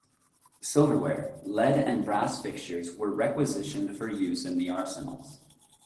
Silverware, lead and brass fixtures were requisitioned for use in the arsenals.